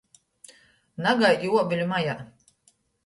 Nagaidi uobeļu majā.